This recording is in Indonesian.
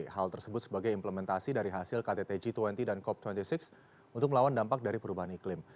hal tersebut sebagai implementasi dari hasil kttg dua puluh dan cop dua puluh enam untuk melawan dampak dari perubahan iklim